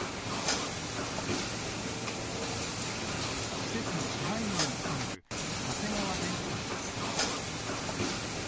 施設の支配人を務める長谷川元喜さんです。